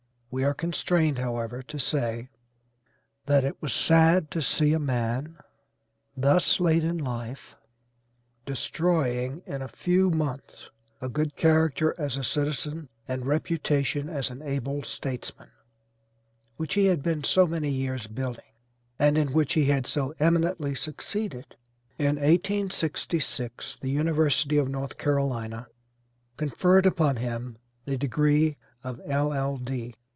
We are constrained, however, to say that it was sad to see a man, thus late in life, destroying in a few months a good character, as a citizen, and reputation as an able statesman, which he had been so many years building, and in which he had so eminently succeeded. In 1866 the University of North Carolina conferred upon him the degree of LL.D.